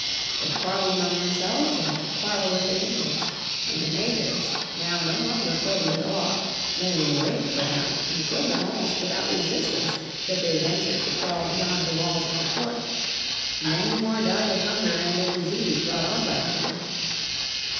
They quarreled among themselves, and they quarreled with the natives. And the natives, now no longer filled with awe, lay in wait for them and killed them almost without resistance if they ventured to crawl beyond the walls of the fort. Many more died of hunger and of disease brought on by hunger.